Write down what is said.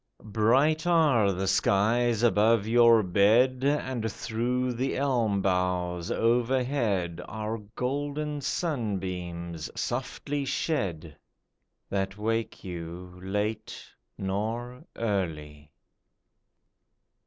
Bright are the skies above your bed, And through the elm boughs overhead Are golden sunbeams softly shed, That wake you late nor early.